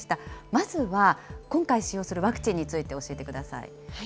まずは今回使用するワクチンについて教えてください。